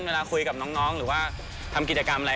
เวลาคุยกับน้องหรือว่าทำกิจกรรมอะไร